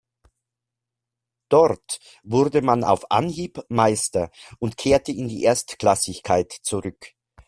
Dort wurde man auf Anhieb Meister und kehrte in die Erstklassigkeit zurück.